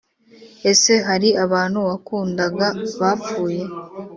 Ese hari abantu wakundaga bapfuye?